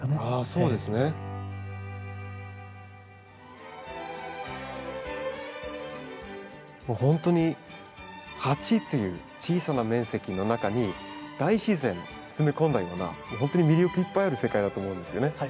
あそうですね。ほんとに鉢という小さな面積の中に大自然詰め込んだようなほんとに魅力いっぱいある世界だと思うんですよね。